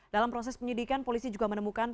dalam proses penyidikan polisi juga menemukan